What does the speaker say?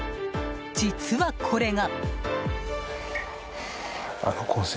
実は、これが。